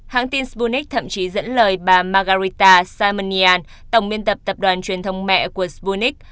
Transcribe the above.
hãng tin sputnik thậm chí dẫn lời bà margarita simonian tổng biên tập tập đoàn truyền thông mẹ của sputnik